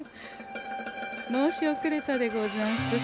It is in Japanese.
申しおくれたでござんす。